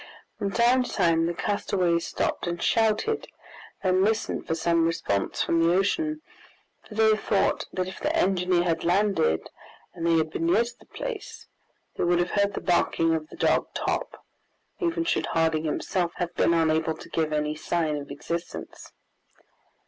From time to time the castaways stopped and shouted, then listened for some response from the ocean, for they thought that if the engineer had landed, and they had been near to the place, they would have heard the barking of the dog Top, even should Harding himself have been unable to give any sign of existence.